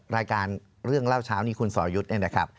รายการเรื่องเล่าเช้านี้คุณสอรยุทธ์เนี่ยนะครับ